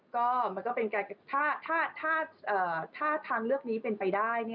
ก็มันก็เป็นการถ้าทางเลือกนี้เป็นไปได้